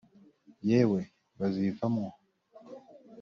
Yewe bazivamwo